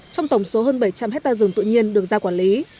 trong tổng số hơn bảy trăm linh hectare rừng tự nhiên được ra quản lý